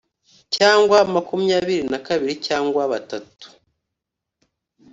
cyangwa makumyabiri na kabiri cyangwa batatu.